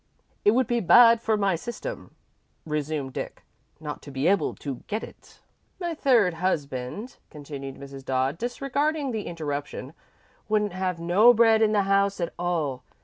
"It would be bad for my system," resumed Dick, "not to be able to get it." "My third husband," continued Mrs. Dodd, disregarding the interruption, "wouldn't have no bread in the house at all.